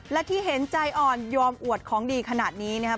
และที่เห็นใจอ่อนยอมอวดของดีขนาดนี้นะครับ